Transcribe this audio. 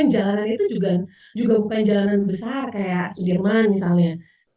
jalanan itu juga bukan jalanan besar kayak sudirman misalnya